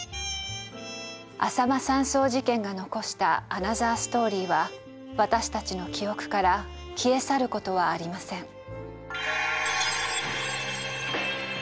あさま山荘事件が残したアナザーストーリーは私たちの記憶から消え去る事はありません。